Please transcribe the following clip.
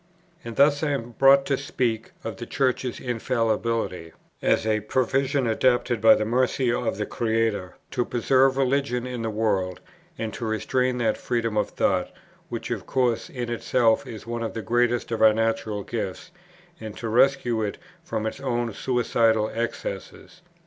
And thus I am brought to speak of the Church's infallibility, as a provision, adapted by the mercy of the Creator, to preserve religion in the world, and to restrain that freedom of thought, which of course in itself is one of the greatest of our natural gifts, and to rescue it from its own suicidal excesses.